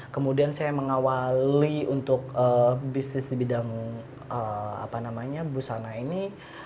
kemudian saya mengawali untuk bisnis di bidang busana ini